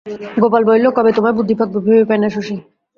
গোপাল বলিল, কবে তোমায় বুদ্ধি পাকবে, ভেবে পাই না শশী।